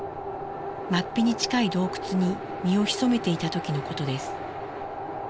マッピに近い洞窟に身を潜めていた時のことです。